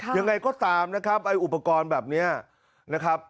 ยังไงก็ตามนะครับไอ้อุปกรณ์แบบนี้นะครับ